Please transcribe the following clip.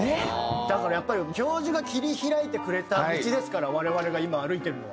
だからやっぱり教授が切り開いてくれた道ですから我々が今歩いてるのは。